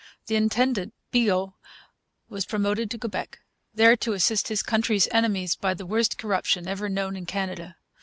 The intendant Bigot was promoted to Quebec, there to assist his country's enemies by the worst corruption ever known in Canada.